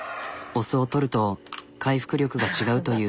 お酢をとると回復力が違うという。